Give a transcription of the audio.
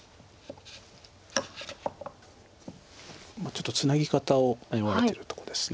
ちょっとツナギ方を迷われてるとこです。